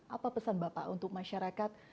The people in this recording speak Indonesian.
apa pesan bapak untuk masyarakat